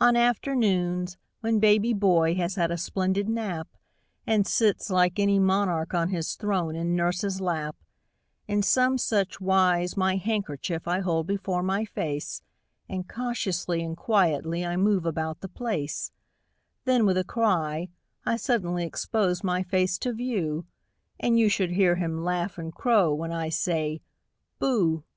On afternoons, when baby boy has had a splendid nap, And sits, like any monarch on his throne, in nurse's lap, In some such wise my handkerchief I hold before my face, And cautiously and quietly I move about the place; Then, with a cry, I suddenly expose my face to view, And you should hear him laugh and crow when I say "Booh"!